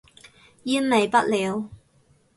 煙味不了